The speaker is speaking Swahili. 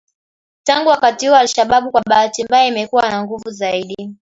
Tangu wakati huo al-Shabab kwa bahati mbaya imekuwa na nguvu zaidi.